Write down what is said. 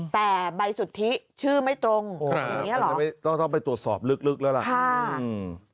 แต่ใบสุธิชื่อไม่ตรงก็ต้องไปตรวจสอบลึกแล้วล่ะอืม